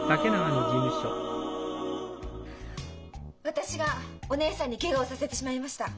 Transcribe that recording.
私がお姉さんにケガをさせてしまいました。